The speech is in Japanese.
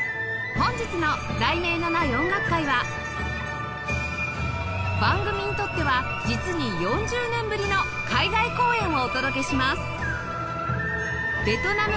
本日の『題名のない音楽会』は番組にとっては実に４０年ぶりの海外公演をお届けします